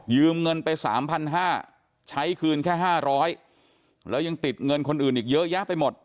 เงินไป๓๕๐๐ใช้คืนแค่๕๐๐แล้วยังติดเงินคนอื่นอีกเยอะแยะไปหมด